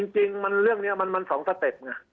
จริงเรื่องนี้มันสองสเต็ป